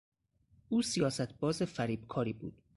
او سیاست باز فریبکاری بود.